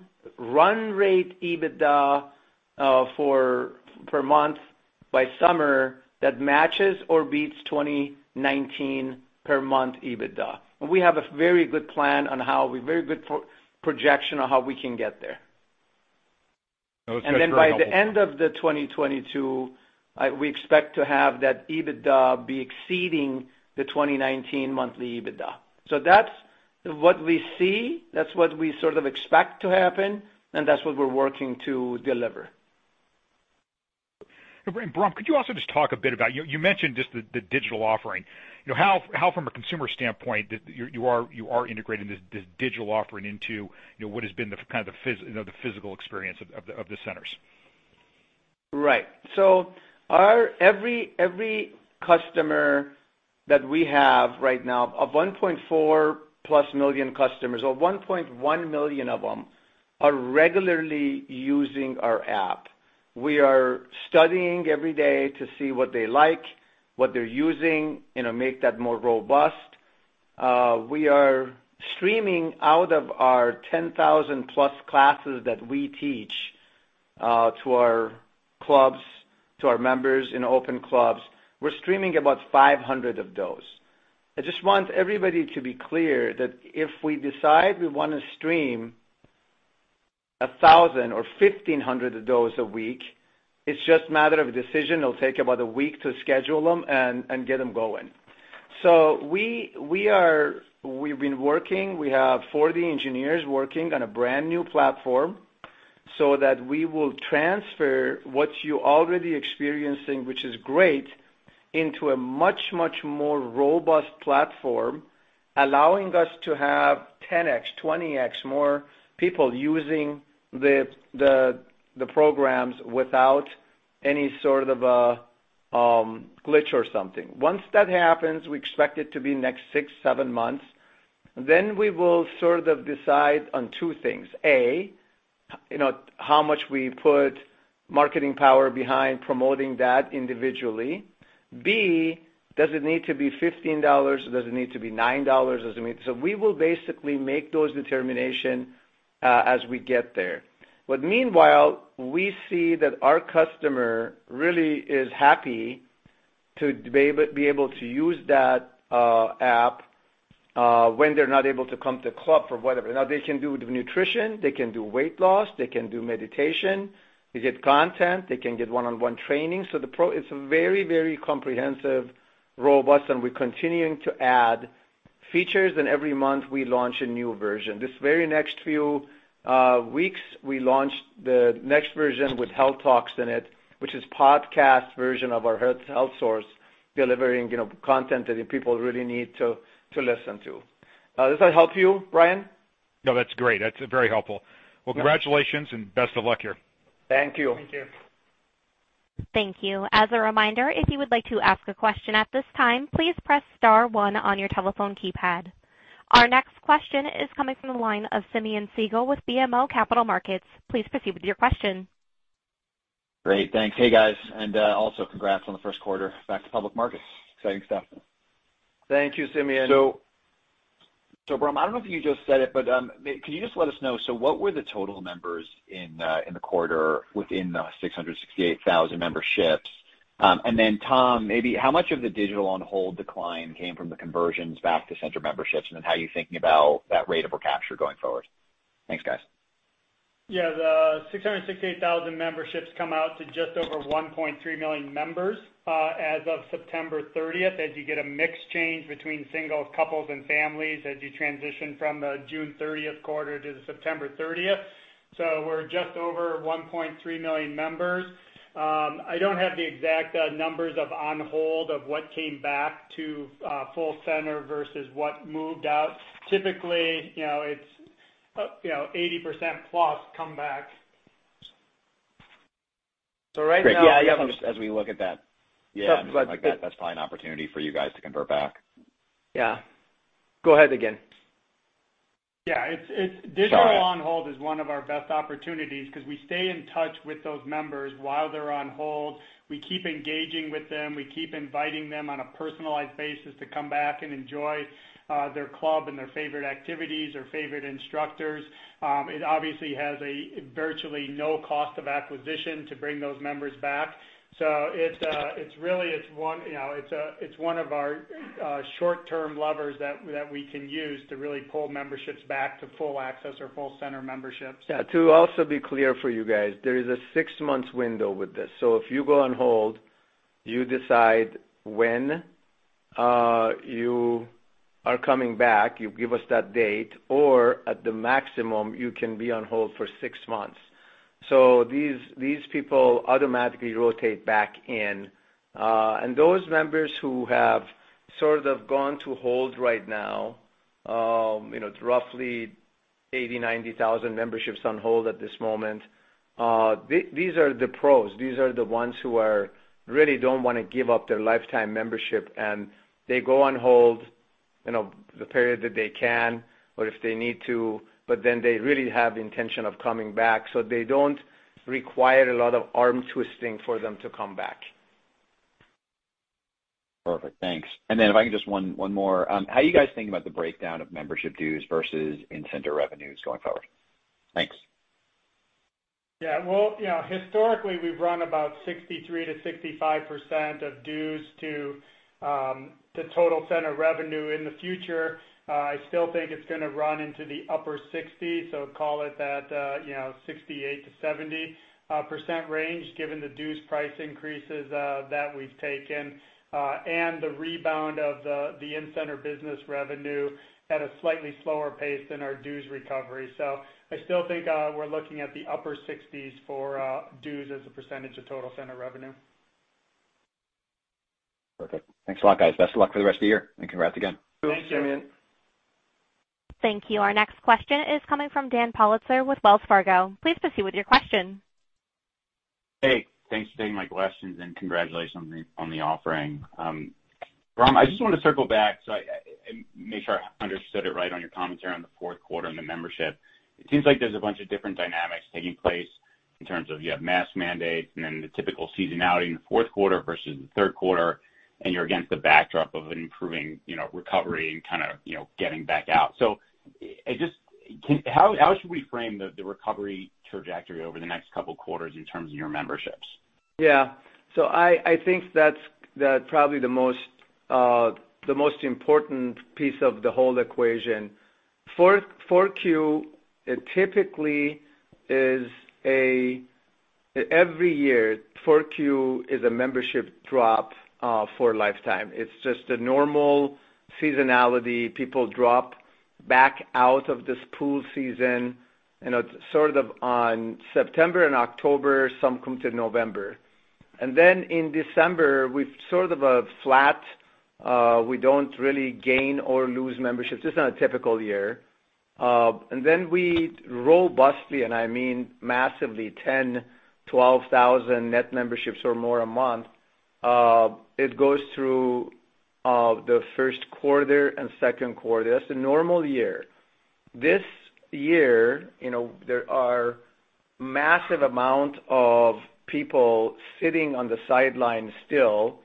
rate EBITDA per month by summer that matches or beats 2019 per month EBITDA. We have a very good projection on how we can get there. I was gonna throw in a couple. By the end of 2022, we expect to have that EBITDA be exceeding the 2019 monthly EBITDA. That's what we see, that's what we sort of expect to happen, and that's what we're working to deliver. Bahram, could you also just talk a bit about, you mentioned just the digital offering. You know, how from a consumer standpoint that you are integrating this digital offering into, you know, what has been the kind of physical experience of the centers? Right. Our every customer that we have right now of 1.4+ million customers, or 1.1 million of them, are regularly using our app. We are studying every day to see what they like, what they're using, you know, make that more robust. We are streaming out of our 10,000+ classes that we teach to our clubs, to our members in open clubs. We're streaming about 500 of those. I just want everybody to be clear that if we decide we wanna stream 1,000 or 1,500 of those a week, it's just a matter of decision. It'll take about a week to schedule them and get them going. We are we've been working. We have 40 engineers working on a brand-new platform so that we will transfer what you're already experiencing, which is great, into a much, much more robust platform, allowing us to have 10x, 20x more people using the programs without any sort of a glitch or something. Once that happens, we expect it to be next 6-7 months, then we will sort of decide on 2 things. A, you know, how much we put marketing power behind promoting that individually. B, does it need to be $15? Does it need to be $9? Does it need to... We will basically make those determination as we get there. But meanwhile, we see that our customer really is happy to be able to use that app when they're not able to come to club for whatever. Now, they can do the nutrition, they can do weight loss, they can do meditation, they get content, they can get one-on-one training. It's very, very comprehensive, robust, and we're continuing to add features, and every month we launch a new version. This very next few weeks, we launch the next version with Health Talks in it, which is podcast version of our Health Source delivering, you know, content that people really need to listen to. Does that help you, Brian? No, that's great. That's very helpful. Yes. Well, congratulations and best of luck here. Thank you. Thank you. Thank you. As a reminder, if you would like to ask a question at this time, please press star one on your telephone keypad. Our next question is coming from the line of Simeon Siegel with BMO Capital Markets. Please proceed with your question. Great. Thanks. Hey, guys, and also congrats on the first quarter. Back to public markets. Exciting stuff. Thank you, Simeon. Bram, I don't know if you just said it, but can you just let us know, so what were the total members in the quarter within the 668,000 memberships? And then Tom, maybe how much of the digital on-hold decline came from the conversions back to center memberships, and then how are you thinking about that rate of recapture going forward? Thanks, guys. Yeah. The 668,000 memberships come out to just over 1.3 million members, as of September 30th, as you get a mix change between singles, couples, and families as you transition from the June 30th quarter to the September 30th. We're just over 1.3 million members. I don't have the exact numbers of on-hold of what came back to full center versus what moved out. Typically, you know, it's, you know, 80%+ come back. Right now. Great. Yeah, I guess as we look at that. Sorry. Yeah, something like that's probably an opportunity for you guys to convert back. Yeah. Go ahead again. Yeah. It's Sorry. Digital on hold is one of our best opportunities because we stay in touch with those members while they're on hold. We keep engaging with them. We keep inviting them on a personalized basis to come back and enjoy their club and their favorite activities, their favorite instructors. It obviously has a virtually no cost of acquisition to bring those members back. It's really, it's one, you know, it's one of our short-term levers that we can use to really pull memberships back to full access or full center memberships. Yeah. To also be clear for you guys, there is a six months window with this. So if you go on hold, you decide when you are coming back. You give us that date, or at the maximum, you can be on hold for six months. So these people automatically rotate back in. And those members who have sort of gone to hold right now, you know, it's roughly 80,000-90,000 memberships on hold at this moment, these are the pros. These are the ones who really don't wanna give up their Life Time membership, and they go on hold, you know, the period that they can or if they need to, but then they really have the intention of coming back. So they don't require a lot of arm twisting for them to come back. Perfect. Thanks. If I can just one more. How are you guys thinking about the breakdown of membership dues versus in-center revenues going forward? Thanks. Yeah. Well, you know, historically, we've run about 63%-65% of dues to the total center revenue. In the future, I still think it's gonna run into the upper 60, so call it that, you know, 68%-70% range given the dues price increases that we've taken and the rebound of the in-center business revenue at a slightly slower pace than our dues recovery. I still think we're looking at the upper 60s for dues as a percentage of total center revenue. Perfect. Thanks a lot, guys. Best of luck for the rest of the year, and congrats again. Thanks, Simeon. Thank you. Thank you. Our next question is coming from Dan Politzer with Wells Fargo. Please proceed with your question. Hey. Thanks for taking my questions, and congratulations on the offering. Bram, I just wanna circle back so I make sure I understood it right on your commentary on the fourth quarter and the membership. It seems like there's a bunch of different dynamics taking place in terms of you have mask mandates and then the typical seasonality in the fourth quarter versus the third quarter, and you're against the backdrop of an improving, you know, recovery and kind of, you know, getting back out. How should we frame the recovery trajectory over the next couple quarters in terms of your memberships? Yeah. I think that's probably the most important piece of the whole equation. 4Q, it typically is every year, 4Q is a membership drop for Life Time. It's just a normal seasonality. People drop back out of this pool season, you know, sort of on September and October, some come to November. In December, we've sort of a flat, we don't really gain or lose memberships. This is on a typical year. We robustly, and I mean massively, 10, 12 thousand net memberships or more a month, it goes through the first quarter and second quarter. That's a normal year. This year, you know, there are massive amount of people sitting on the sidelines still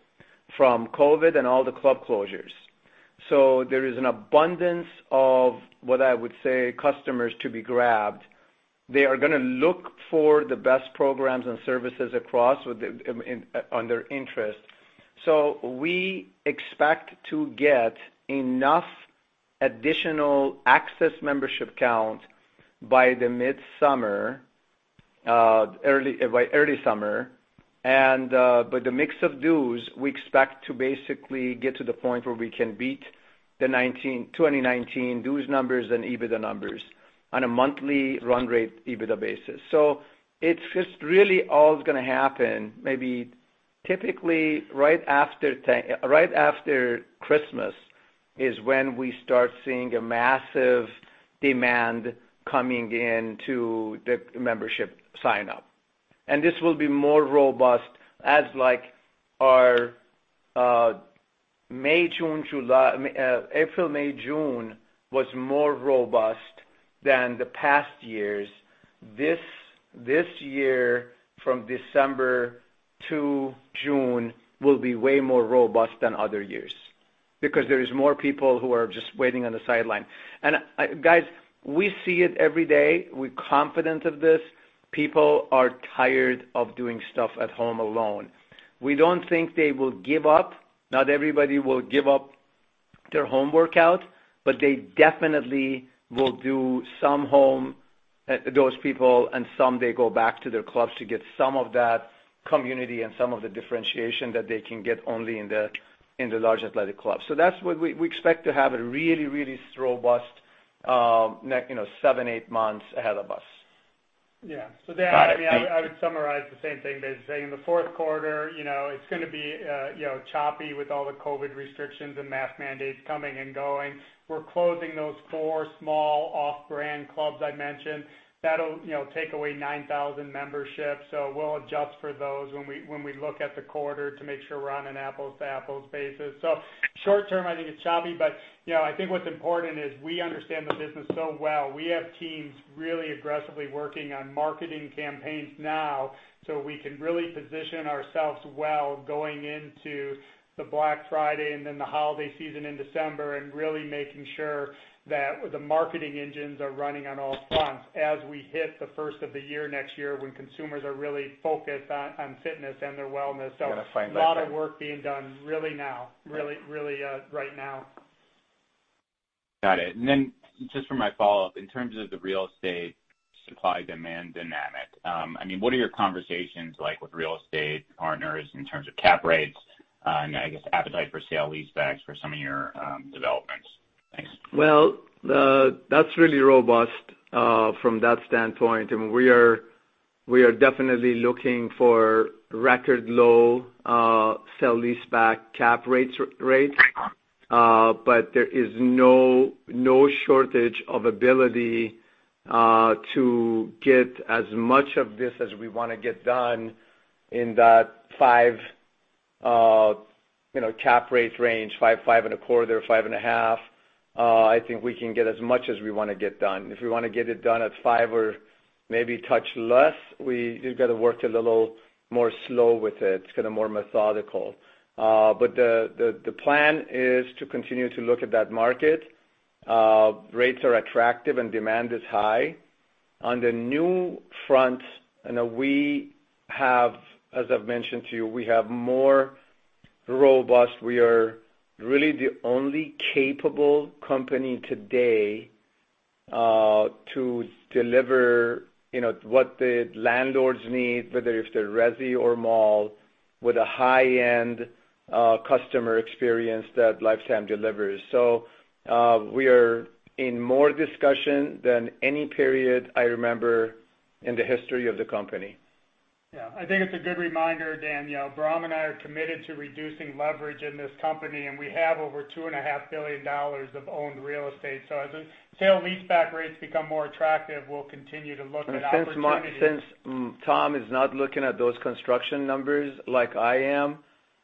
from COVID and all the club closures. There is an abundance of what I would say customers to be grabbed. They are gonna look for the best programs and services across with the in on their interest. We expect to get enough additional access membership count by midsummer, early by early summer. The mix of dues we expect to basically get to the point where we can beat the 2019 dues numbers and EBITDA numbers on a monthly run rate EBITDA basis. It's just really all is gonna happen maybe typically right after Christmas is when we start seeing a massive demand coming in to the membership sign-up. This will be more robust as like our May, June, July, April, May, June was more robust than the past years. This year from December to June will be way more robust than other years because there is more people who are just waiting on the sidelines. Guys, we see it every day. We're confident of this. People are tired of doing stuff at home alone. We don't think they will give up. Not everybody will give up their home workout, but they definitely will do some home, those people and some they go back to their clubs to get some of that community and some of the differentiation that they can get only in the large athletic clubs. That's what we expect to have a really robust, you know, 7-8 months ahead of us. Yeah. Dan Got it. Thank you. I would summarize the same thing. That is saying the fourth quarter, you know, it's gonna be, you know, choppy with all the COVID restrictions and mask mandates coming and going. We're closing those four small off-brand clubs I mentioned. That'll, you know, take away 9,000 memberships. We'll adjust for those when we look at the quarter to make sure we're on an apples-to-apples basis. Short-term, I think it's choppy, but, you know, I think what's important is we understand the business so well. We have teams really aggressively working on marketing campaigns now, so we can really position ourselves well going into Black Friday and then the holiday season in December, and really making sure that the marketing engines are running on all fronts as we hit the first of the year next year when consumers are really focused on fitness and their wellness. You're gonna find that, Tom. A lot of work being done really now, right now. Got it. Just for my follow-up, in terms of the real estate supply-demand dynamic, I mean, what are your conversations like with real estate partners in terms of cap rates, and I guess appetite for sale-leasebacks for some of your developments? Thanks. Well, that's really robust from that standpoint. We are definitely looking for record low sale-leaseback cap rates. There is no shortage of ability to get as much of this as we wanna get done in that 5 cap rates range, 5.25, 5.5. I think we can get as much as we wanna get done. If we wanna get it done at 5% or maybe a touch less, we just gotta work it a little more slow with it, kinda more methodical. The plan is to continue to look at that market. Rates are attractive and demand is high. On the new front, you know, we have, as I've mentioned to you, we have more robust. We are really the only capable company today, to deliver, you know, what the landlords need, whether if they're resi or mall, with a high-end, customer experience that Life Time delivers. We are in more discussion than any period I remember in the history of the company. Yeah. I think it's a good reminder, Dan. You know, Bahram and I are committed to reducing leverage in this company, and we have over $2.5 billion of owned real estate. So as the sale-leaseback rates become more attractive, we'll continue to look at opportunities. Since Tom is not looking at those construction numbers like I am,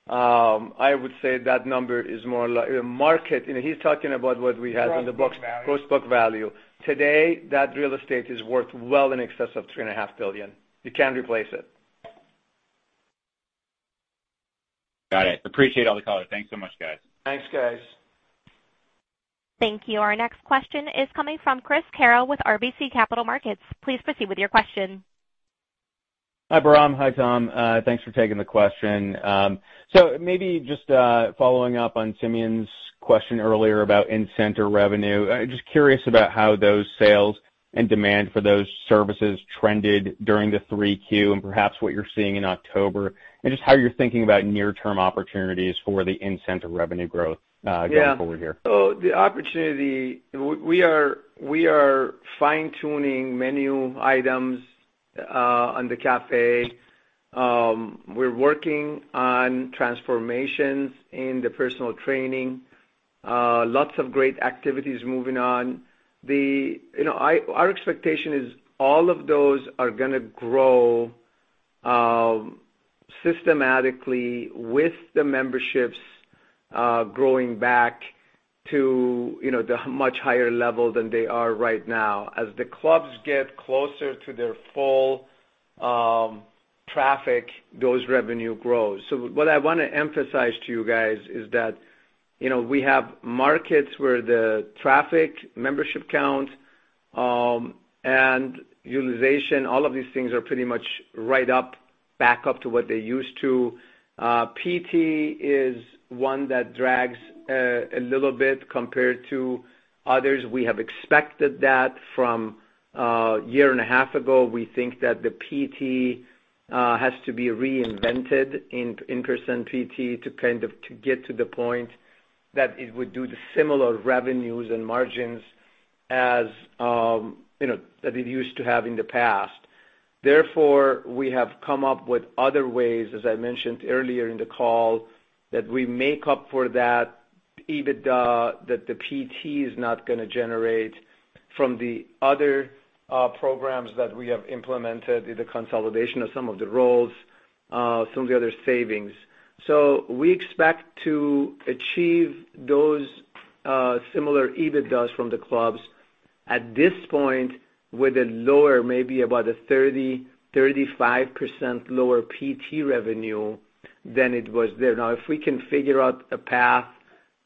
I would say that number is more like the market, you know, he's talking about what we had in the books. The book value. Post book value. Today, that real estate is worth well in excess of $3.5 billion. You can't replace it. Got it. Appreciate all the color. Thanks so much, guys. Thanks, guys. Thank you. Our next question is coming from Chris Carril with RBC Capital Markets. Please proceed with your question. Hi, Bahram. Hi, Tom. Thanks for taking the question. Maybe just following up on Simeon's question earlier about in-center revenue. Just curious about how those sales and demand for those services trended during the 3Q and perhaps what you're seeing in October, and just how you're thinking about near-term opportunities for the in-center revenue growth? Yeah Going forward here. The opportunity we are fine-tuning menu items on the cafe. We're working on transformations in the personal training. Lots of great activities moving on. Our expectation is all of those are gonna grow systematically with the memberships growing back to the much higher level than they are right now. As the clubs get closer to their full traffic, those revenue grows. What I wanna emphasize to you guys is that we have markets where the traffic, membership count, and utilization, all of these things are pretty much right back up to what they used to. PT is one that drags a little bit compared to others. We have expected that from a year and a half ago. We think that the PT has to be reinvented, in-person PT, to get to the point that it would do the similar revenues and margins as, you know, that it used to have in the past. Therefore, we have come up with other ways, as I mentioned earlier in the call, that we make up for that EBITDA that the PT is not gonna generate from the other programs that we have implemented, the consolidation of some of the roles, some of the other savings. We expect to achieve those similar EBITDA from the clubs at this point, with a lower, maybe about a 30%-35% lower PT revenue than it was there. Now, if we can figure out a path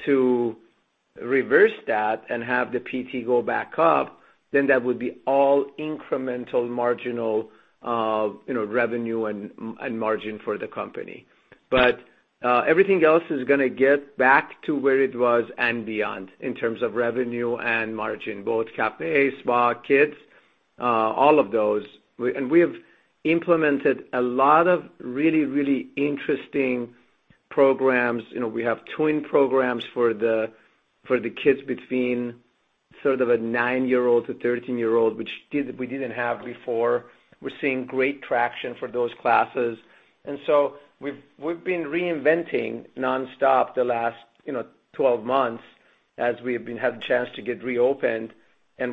to reverse that and have the PT go back up, then that would be all incremental, marginal, revenue and margin for the company. Everything else is gonna get back to where it was and beyond in terms of revenue and margin, both cafe, spa, kids, all of those. We have implemented a lot of really, really interesting programs. We have tween programs for the kids between sort of a 9-year-old to 13-year-old, which we didn't have before. We're seeing great traction for those classes. We've been reinventing nonstop the last 12 months as we've been having a chance to get reopened.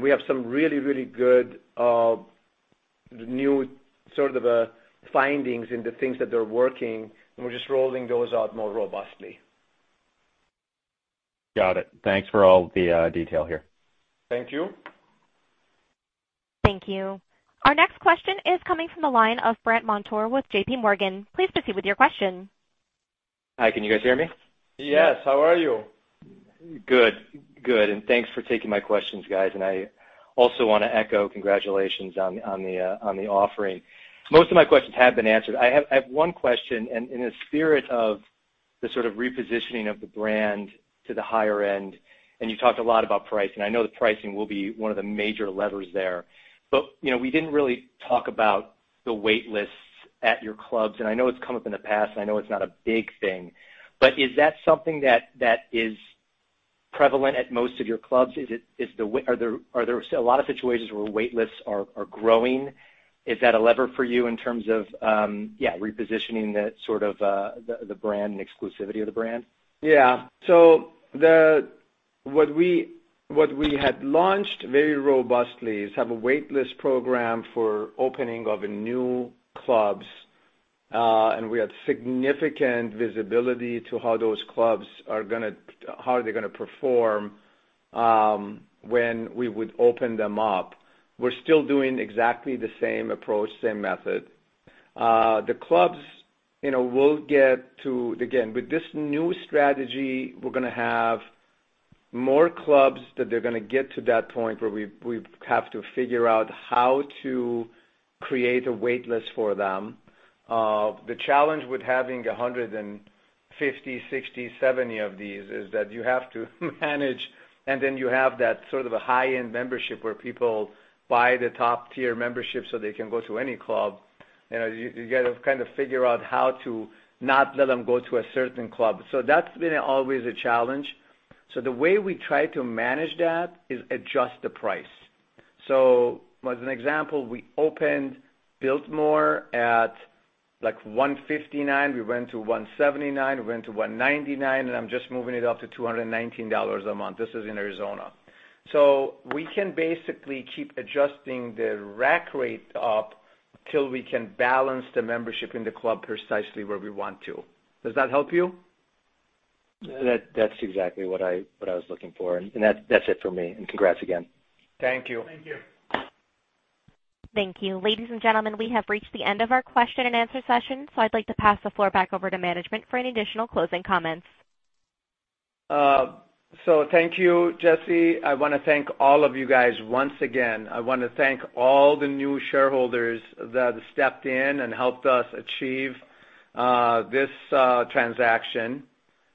We have some really good new sort of a findings in the things that are working, and we're just rolling those out more robustly. Got it. Thanks for all the detail here. Thank you. Thank you. Our next question is coming from the line of Brandt Montour with J.P. Morgan. Please proceed with your question. Hi, can you guys hear me? Yes. How are you? Good. Good, thanks for taking my questions, guys. I also wanna echo congratulations on the offering. Most of my questions have been answered. I have one question. In the spirit of the sort of repositioning of the brand to the higher end, you talked a lot about pricing. I know the pricing will be one of the major levers there. You know, we didn't really talk about the wait lists at your clubs. I know it's come up in the past, I know it's not a big thing. Is that something that is prevalent at most of your clubs? Are there a lot of situations where wait lists are growing? Is that a lever for you in terms of repositioning the sort of the brand and exclusivity of the brand? What we had launched very robustly is to have a wait list program for openings of new clubs, and we had significant visibility to how they are gonna perform when we would open them up. We're still doing exactly the same approach, same method. The clubs, you know. Again, with this new strategy, we're gonna have more clubs that they're gonna get to that point where we have to figure out how to create a wait list for them. The challenge with having 150, 160, 170 of these is that you have to manage, and then you have that sort of a high-end membership where people buy the top-tier membership so they can go to any club. You know, you gotta kind of figure out how to not let them go to a certain club. That's been always a challenge. The way we try to manage that is adjust the price. As an example, we opened Biltmore at like $159. We went to $179. We went to $199. I'm just moving it up to $219 a month. This is in Arizona. We can basically keep adjusting the rack rate up till we can balance the membership in the club precisely where we want to. Does that help you? That's exactly what I was looking for. That's it for me. Congrats again. Thank you. Thank you. Thank you. Ladies and gentlemen, we have reached the end of our question-and-answer session. I'd like to pass the floor back over to management for any additional closing comments. Thank you, Jesse. I wanna thank all of you guys once again. I wanna thank all the new shareholders that stepped in and helped us achieve this transaction.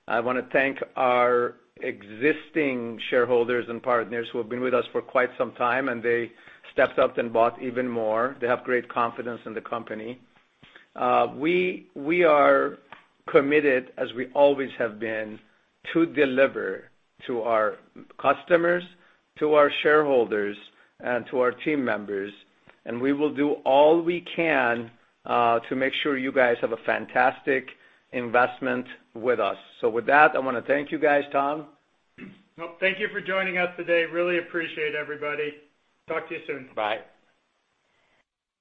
I wanna thank our existing shareholders and partners who have been with us for quite some time, and they stepped up and bought even more. They have great confidence in the company. We are committed, as we always have been, to deliver to our customers, to our shareholders, and to our team members, and we will do all we can to make sure you guys have a fantastic investment with us. With that, I wanna thank you guys. Tom? Well, thank you for joining us today. I really appreciate everybody. Talk to you soon. Bye.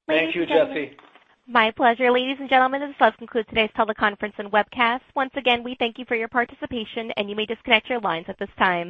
Thank you, Jesse. My pleasure. Ladies and gentlemen, this does conclude today's teleconference and webcast. Once again, we thank you for your participation, and you may disconnect your lines at this time.